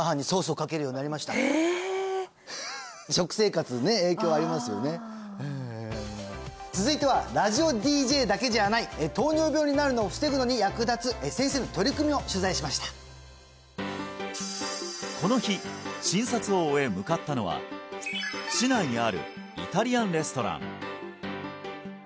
確かに僕は僕もへえ続いてはラジオＤＪだけじゃない糖尿病になるのを防ぐのに役立つ先生の取り組みを取材しましたこの日診察を終え向かったのは市内にあるイタリアンレストラン